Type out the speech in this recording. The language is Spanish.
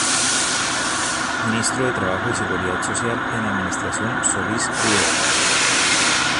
Ministro de Trabajo y Seguridad Social en la administración Solís Rivera.